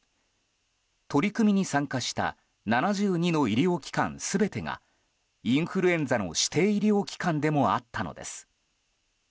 取り組みに参加した７２の医療機関全てがインフルエンザの指定医療機関でもあったのです。